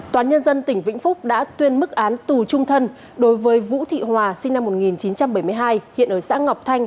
toán nhân dân tỉnh vĩnh phúc đã tuyên mức án tù trung thân đối với vũ thị hòa sinh năm một nghìn chín trăm bảy mươi hai hiện ở xã ngọc thanh